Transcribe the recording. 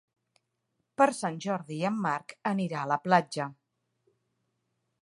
Per Sant Jordi en Marc anirà a la platja.